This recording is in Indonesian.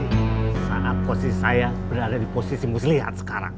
di sana posisi saya berada di posisi yang harus dilihat sekarang